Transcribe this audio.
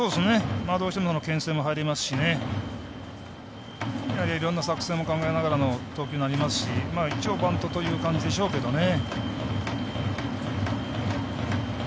どうしてもけん制も入りますしいろんな作戦を考えながらの投球になりますし一応、バントという感じでしょうけどね。